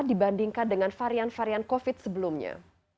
dibandingkan dengan varian varian covid sembilan belas sebelumnya